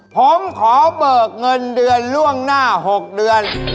ผมขอเบิกเงินเดือนล่วงหน้า๖เดือน